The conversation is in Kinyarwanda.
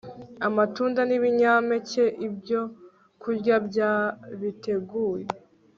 Amatunda nibinyampeke ibyokurya byabitegura